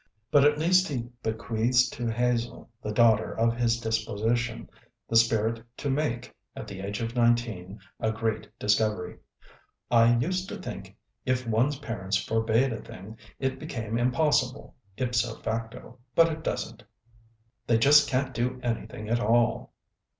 But at least he bequeathes to Hazel, the daughter of his disposition, the spirit to make, at the age of nineteen, a great discovery. "I used to think if one's parents forbade a thing, it became impossible, ipso facto, but it doesn't. They just cant do anything at all."